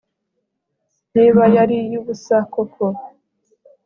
Niba yari iy ubusa koko